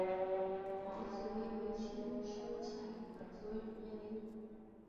毛紫薇为千屈菜科紫薇属下的一个种。